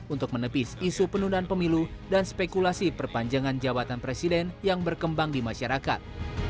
untuk menepis isu penundaan pemilu dan spekulasi perpanjangan jabatan presiden yang berkembang di masyarakat